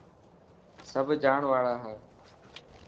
سڀ جاڻ واڙا هي.